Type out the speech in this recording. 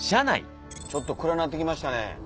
ちょっと暗なって来ましたね